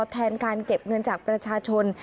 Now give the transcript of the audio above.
แทนการเก็บเงินจากประชาชน